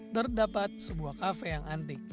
terdapat sebuah kafe yang antik